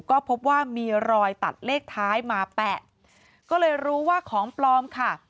ก็พบว่ามีรอยตัดเลขท้ายมาแปะก็เลยรู้ว่าของปลอมค่ะ